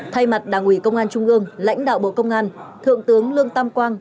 thay mặt đảng ủy công an trung ương lãnh đạo bộ công an thượng tướng lương tam quang